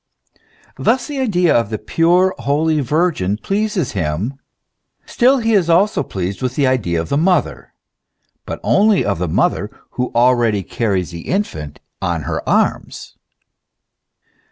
Thus the idea of the pure, holy Virgin pleases him; still he is also pleased with the idea of the Mother, but only of the Mother who already carries the infant on her arms.